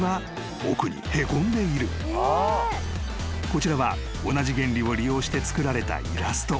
［こちらは同じ原理を利用して作られたイラスト］